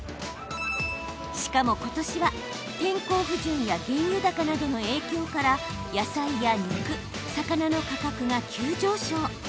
しかも、ことしは天候不順や原油高などの影響から野菜や肉、魚の価格が急上昇。